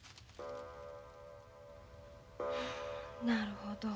なるほど。